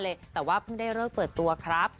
แต่ว่าเพิ่งได้เลิกเปิดตัวครับ